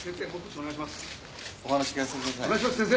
お願いします先生。